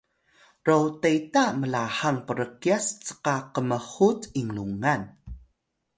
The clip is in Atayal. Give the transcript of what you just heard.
ro teta mlahang prkyas cqa qmhut inlungan